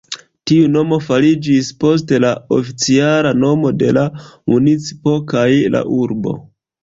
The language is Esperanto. Tiu nomo fariĝis poste la oficiala nomo de la municipo kaj la urbo.